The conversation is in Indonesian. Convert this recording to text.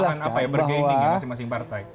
bahan apa ya bergeining ya masing masing partai